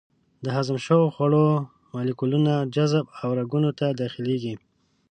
د هضم شوو خوړو مالیکولونه جذب او رګونو ته داخلېږي.